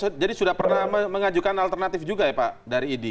oke jadi sudah pernah mengajukan alternatif juga ya pak dari idi